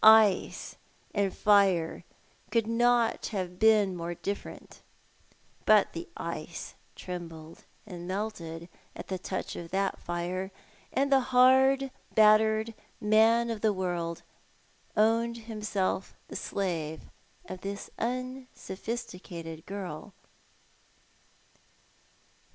Ice and fire could not have been more different ; F 66 Tho2t art the Man. but the ice trembled and melted at the touch of that fire, and the hard, battered man of the world owned himself the slave of this unsophisticated girl.